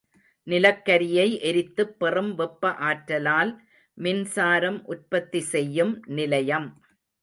நிலக்கரியை எரித்துப் பெறும் வெப்ப ஆற்றலால் மின்சாரம் உற்பத்தி செய்யும் நிலையம்.